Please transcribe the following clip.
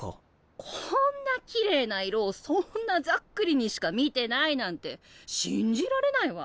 こんなきれいな色をそんなざっくりにしか見てないなんて信じられないわ！